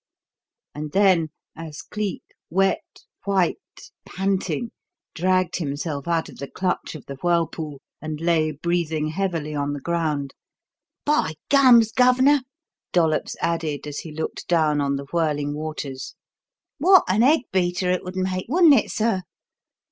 And then as Cleek, wet, white, panting, dragged himself out of the clutch of the whirlpool and lay breathing heavily on the ground: "By gums, Gov'nor," Dollops added as he looked down on the whirling waters, "what an egg beater it would make, wouldn't it, sir?